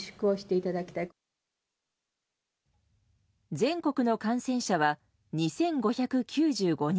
全国の感染者は２５９５人。